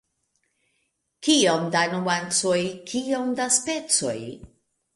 Kiom da nuancoj, kiom da specoj!